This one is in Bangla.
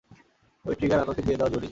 ঐ ট্রিগার আমাকে দিয়ে দাও জুনি!